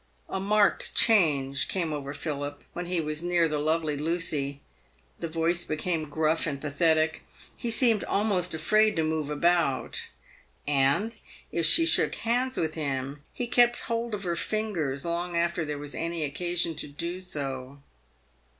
A marked change came over Philip when he was near the lovely Lucy. The voice became gruff and pathetic ; he seemed almost afraid to move about ; and, if she shook hands with him, he kept hold of her fingers long after there was any occasion to do so.